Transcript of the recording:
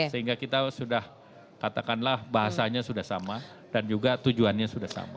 sehingga kita sudah katakanlah bahasanya sudah sama dan juga tujuannya sudah sama